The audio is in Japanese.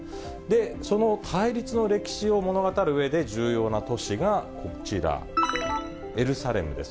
その対立の歴史を物語るうえで重要な都市がこちら、エルサレムです。